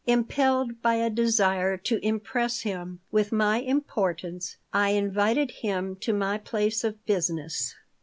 Impelled by a desire to impress him with my importance, I invited him to my place of business.